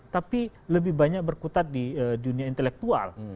tapi lebih banyak berkutat di dunia intelektual